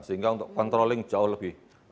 sehingga untuk controlling jauh lebih